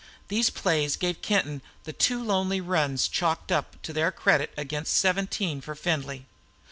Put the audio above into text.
These plays gave Kenton the two lonely runs chalked up to their credit against seventeen for Findlay.